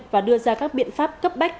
và đưa ra các biện pháp cấp bách